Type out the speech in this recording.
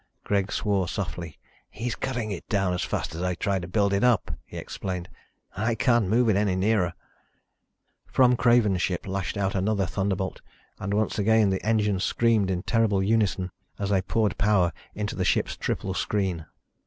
Greg swore softly. "He's cutting it down as fast as I try to build it up," he explained, "and I can't move it any nearer." From Craven's ship lashed out another thunderbolt and once again the engines screamed in terrible unison as they poured power into the ship's triple screen.